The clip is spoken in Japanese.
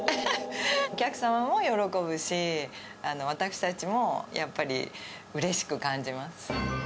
お客様も喜ぶし、私たちもやっぱりうれしく感じます。